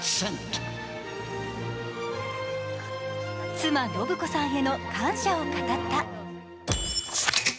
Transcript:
妻・信子さんへの感謝を語った。